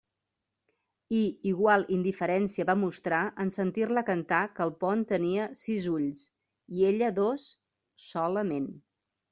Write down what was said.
I igual indiferència va mostrar en sentir-la cantar que el pont tenia sis ulls, i ella dos «solament».